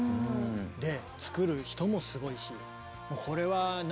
で作る人もすごいし。